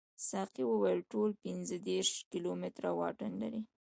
ساقي وویل ټول پنځه دېرش کیلومتره واټن لري.